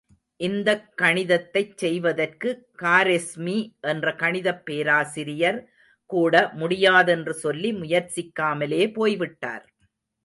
இந்தக் கணிதத்தைச் செய்வதற்கு காரெஸ்மி என்ற கணிதப் பேராசிரியர் கூட முடியாதென்று சொல்லி முயற்சிக்காமலே போய்விட்டார்.